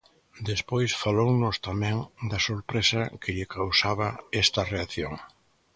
Despois falounos tamén da sorpresa que lle causaba esta reacción.